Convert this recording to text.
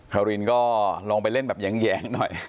เขารีนก็ลองไปเล่นแย้งหน่อย